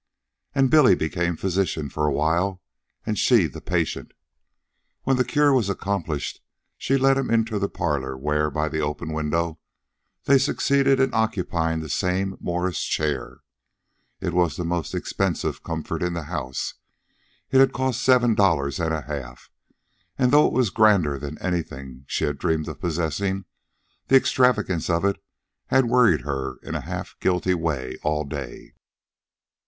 And Billy became physician for a while and she the patient. When the cure was accomplished, she led him into the parlor, where, by the open window, they succeeded in occupying the same Morris chair. It was the most expensive comfort in the house. It had cost seven dollars and a half, and, though it was grander than anything she had dreamed of possessing, the extravagance of it had worried her in a half guilty way all day.